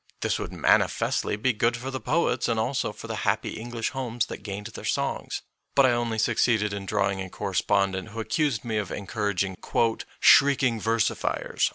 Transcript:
This would manifestly be good for the poets, and also for the happy English homes that gained their songs. But I only succeeded in draw ing a correspondent who accused me of en THE POET AND THE PEOPLE 63 couraging " shrieking versifiers."